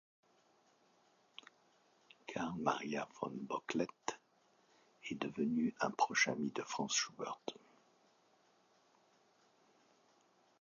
Carl Maria von Bocklet est devenu un proche ami de Franz Schubert.